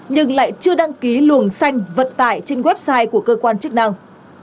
nhưng lại chưa đăng ký luồng xanh vận tải trên website của cơ quan chức năng